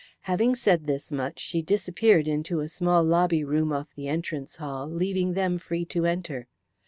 Having said this much, she disappeared into a small lobby room off the entrance hall, leaving them free to enter.